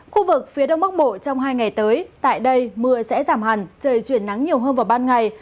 khu vực phía đông bắc bộ trong hai ngày tới tại đây mưa sẽ giảm hẳn trời chuyển nắng nhiều hơn vào ban ngày